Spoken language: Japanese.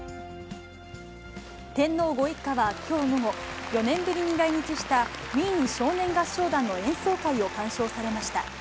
天皇ご一家はきょう午後、４年ぶりに来日したウィーン少年合唱団の演奏会を鑑賞されました。